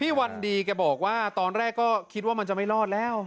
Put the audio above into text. วันดีแกบอกว่าตอนแรกก็คิดว่ามันจะไม่รอดแล้ว